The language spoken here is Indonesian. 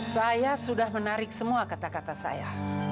saya sudah menarik semua kata kata saya